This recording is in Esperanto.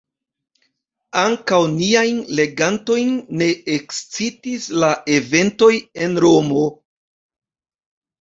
Ankaŭ niajn legantojn ne ekscitis la eventoj en Romo.